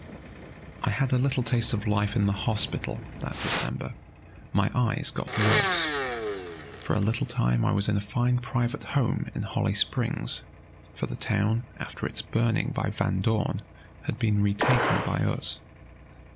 I had a little taste of life in the hospital that December. My eyes got worse. For a little time I was in a fine private home in Holly Springs, for the town, after its burning by Van Dorn, had been retaken by us.